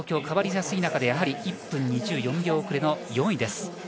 変わりやすい中で１分２４秒遅れの４位。